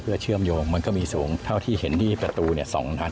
เพื่อเชื่อมโยงมันก็มีสูงเท่าที่เห็นที่ประตู๒นัด